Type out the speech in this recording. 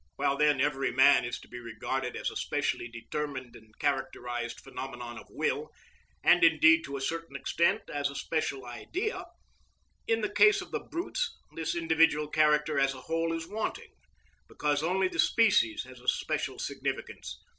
While then every man is to be regarded as a specially determined and characterised phenomenon of will, and indeed to a certain extent as a special Idea, in the case of the brutes this individual character as a whole is wanting, because only the species has a special significance.